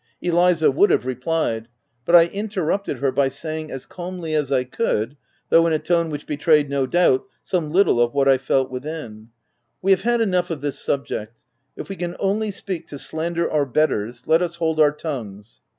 Eliza would have replied, but I interrupted her by saying OF WILDFELL HALL. 161 as calmly as I could, though in a tone which betrayed, no doubt, some little of what I felt within, — u We have had enough of this subject : if we can only speak to slander our betters, let us hold our tongues."